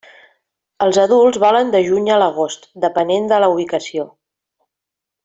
Els adults volen de juny a l'agost, depenent de la ubicació.